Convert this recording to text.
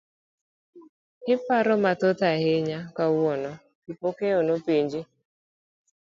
iparo mathoth ahinya kawuono, Kipokeo nopenje.